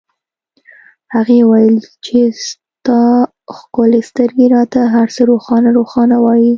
هغې وویل چې ستا ښکلې سترګې راته هرڅه روښانه روښانه وایي